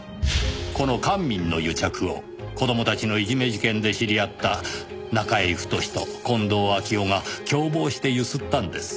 この官民の癒着を子供たちのいじめ事件で知り合った中居太と近藤秋夫が共謀して強請ったんです。